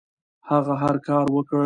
هغه هر کار وکړ.